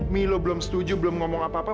milo belum setuju belum ngomong apa apa